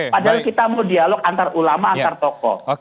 padahal kita mau dialog antar ulama antar tokoh